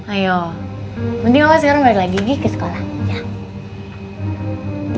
ayo mending opa sekarang balik lagi gigi ke sekolah ya